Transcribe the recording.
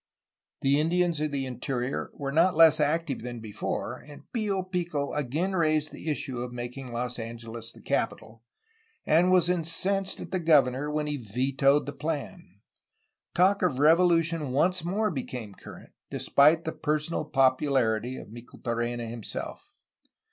The Indians of the interior were not less active than before. And Pio Pico again raised the issue 482 A HISTORY OF CALIFORNIA of making Los Angeles the capital, and was incensed at the governor when he vetoed the plan. Talk of revolution once more became current, despite the personal popularity of Micheltorena himself.